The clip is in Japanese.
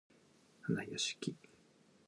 はなやしき